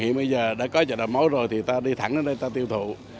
hiện bây giờ đã có chợ đầu mối rồi thì ta đi thẳng đến đây ta tiêu thụ